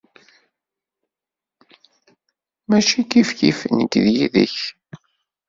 Mačči kifkif nekk yid-k.